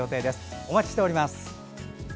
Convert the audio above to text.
お待ちしております。